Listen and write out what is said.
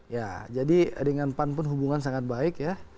ya jadi dengan pan pun hubungan sangat baik ya